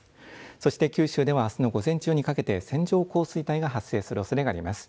そして九州ではあすの午前中にかけて線状降水帯が発生するおそれがあります。